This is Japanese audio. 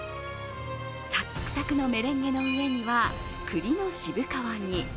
サクサクのメレンゲの上には栗の渋皮煮。